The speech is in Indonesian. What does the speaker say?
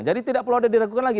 jadi tidak perlu ada diragukan lagi